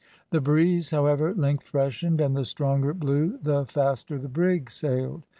The breeze, however, at length freshened, and the stronger it blew the faster the brig sailed.